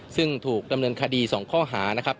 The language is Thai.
ซึ่งถูกดำเนินคดี๒ข้อหานะครับ